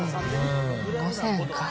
５０００円か。